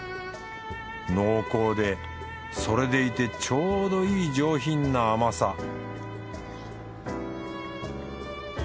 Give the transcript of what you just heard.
濃厚でそれでいてちょうどいい上品な甘さ